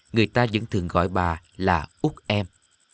người ta vẫn thường gọi bà là úc em